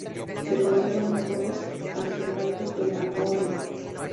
Se conservan muy pocos artefactos de la Orden.